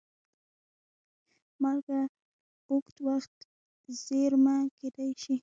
مالګه اوږد وخت زېرمه کېدای شي.